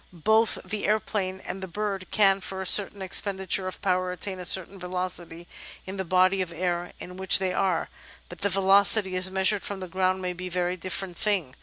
Both the aeroplane and the bird can, for a certain expenditure of power, attain a certain velocity in the body of air in which they are, but the velocity as measured from the ground may be a very different thing.